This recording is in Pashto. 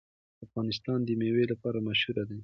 افغانستان د مېوې لپاره مشهور دی.